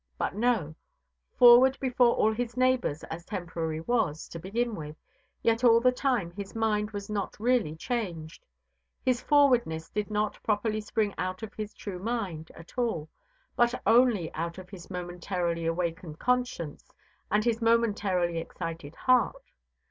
But, no: forward before all his neighbours as Temporary was, to begin with, yet all the time his mind was not really changed. His forwardness did not properly spring out of his true mind at all, but only out of his momentarily awakened conscience and his momentarily excited heart.